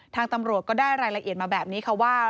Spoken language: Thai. ทางตำรวจก็ได้รายละเอียดมาแบบนี้ค่ะว่า